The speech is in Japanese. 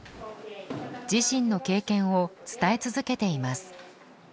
自身の経験を伝え続けています。